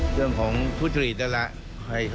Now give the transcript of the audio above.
เรื่องของผู้จริตศัลรัย